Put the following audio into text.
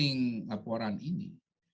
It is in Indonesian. meng screening laporan ini